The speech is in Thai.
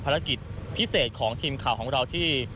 ภารกิจพิเศษของทีมข่าวของเราที่